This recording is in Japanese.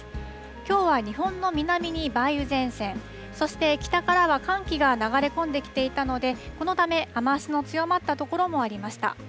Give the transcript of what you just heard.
きょうは日本の南に梅雨前線、そして北からは寒気が流れ込んできていたので、このため、雨足の強まった所もありました。